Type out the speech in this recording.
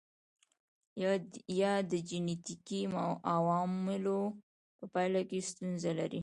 یا د جنېټیکي عواملو په پایله کې ستونزه لري.